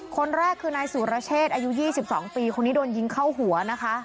คนแรกคือนายสุรเชษอายุ๒๒ปีคนนี้โดนยิงเข้าหัวนะคะ